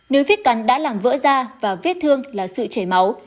nếu viết cắn đã làm vỡ da và viết thương là sự chảy máu